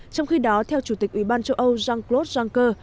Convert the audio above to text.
trong khi đó theo chủ tịch ủy ban châu âu jean claude juncker